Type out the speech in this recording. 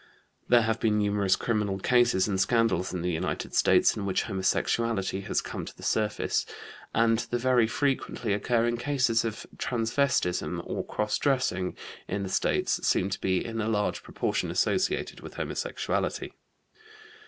There have been numerous criminal cases and scandals in the United States in which homosexuality has come to the surface, and the very frequently occurring cases of transvestism or cross dressing in the States seem to be in a large proportion associated with homosexuality.